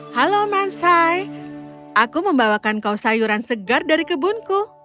halo mansai aku membawakan kau sayuran segar dari kebunku